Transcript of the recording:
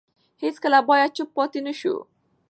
هیڅکله باید چوپ پاتې نه شو.